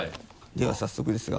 では早速ですが。